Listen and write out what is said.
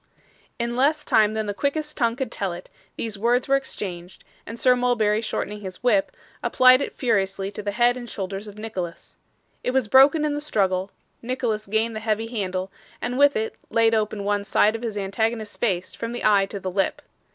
In less time than the quickest tongue could tell it, these words were exchanged, and Sir Mulberry shortening his whip, applied it furiously to the head and shoulders of Nicholas. It was broken in the struggle; Nicholas gained the heavy handle, and with it laid open one side of his antagonist's face from the eye to the lip.